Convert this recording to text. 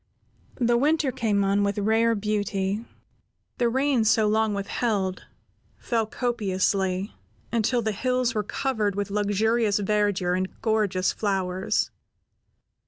The winter came on with rare beauty. The rain, so long withheld, fell copiously, until the hills were covered with luxurious verdure and gorgeous flowers.